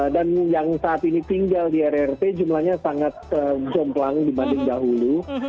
dan yang saat ini tinggal di rrt jumlahnya sangat jomplang dibanding dahulu